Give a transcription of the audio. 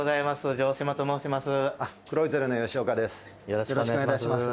城島と申します。